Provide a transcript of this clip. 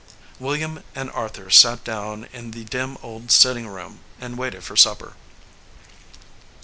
William and Arthur sat down in the dim old sit ting room and waited for supper.